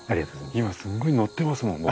今すんごいノッてますもん僕。